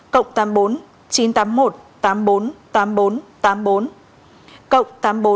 cộng tám mươi bốn chín trăm tám mươi một tám mươi bốn tám mươi bốn tám mươi bốn cộng tám mươi bốn chín trăm sáu mươi năm bốn mươi một một mươi một một mươi tám